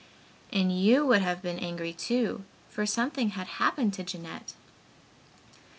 And you would have been angry, too, for something had happened to Jeanette.